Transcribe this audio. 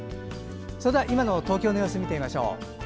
それでは今の東京の様子を見てみましょう。